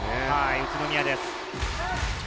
宇都宮です。